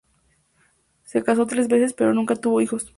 Se casó tres veces, pero nunca tuvo hijos.